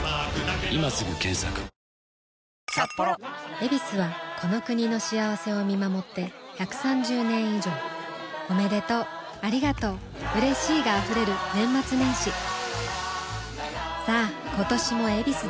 「ヱビス」はこの国の幸せを見守って１３０年以上おめでとうありがとううれしいが溢れる年末年始さあ今年も「ヱビス」で